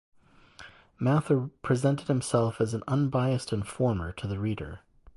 Mather presented himself as an unbiased informer to the reader.